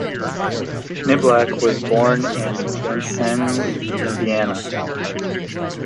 Niblack was born in Vincennes, Indiana.